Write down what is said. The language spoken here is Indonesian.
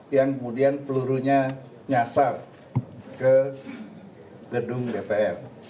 yang kemudian pelurunya nyasar ke gedung dpr